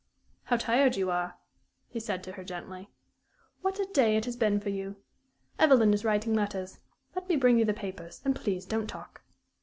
"How tired you are!" he said to her, gently. "What a day it has been for you! Evelyn is writing letters. Let me bring you the papers and please don't talk."